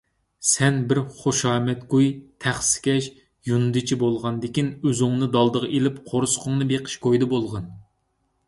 سەن بىر خۇشامەتگۇي - تەخسىكەش، يۇندىچى بولغاندىكىن ئۆزۈڭنى دالدىغا ئېلىپ قورسىقىڭنى بېقىش كويىدا بولغىن.